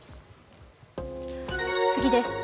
次です。